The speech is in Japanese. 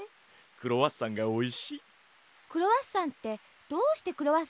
クロワッサンってどうしてクロワッサンっていうか知ってる？